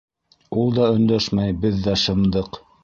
Ул да өндәшмәй, беҙ ҙә шымдыҡ.